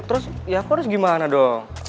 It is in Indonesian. terus ya aku harus gimana dong